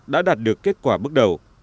đã đạt được kết quả bước đầu